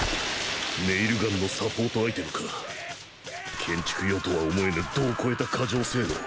ネイルガンのサポートアイテムか建築用とは思えぬ度を超えた過剰性能。